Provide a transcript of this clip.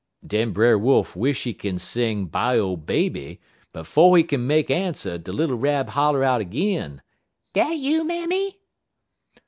"Den Brer Wolf wish he kin sing 'Bye O Baby,' but 'fo' he kin make answer, de little Rab holler out 'g'in: "'Dat you, mammy?'